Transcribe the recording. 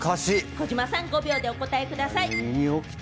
児嶋さん、５秒でお答えください。